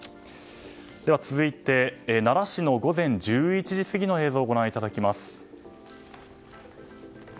では続いて、奈良市の午前１１時過ぎの映像をご覧いただきます。